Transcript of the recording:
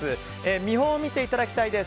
見本を見ていただきます。